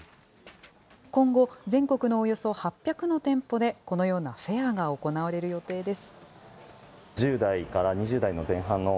今後、全国のおよそ８００の店舗で、このようなフェアが行われる予定です。